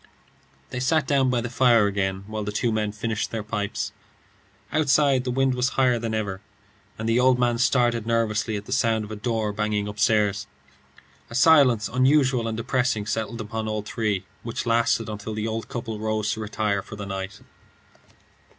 They sat down by the fire again while the two men finished their pipes. Outside, the wind was higher than ever, and the old man started nervously at the sound of a door banging upstairs. A silence unusual and depressing settled upon all three, which lasted until the old couple rose to retire for the night.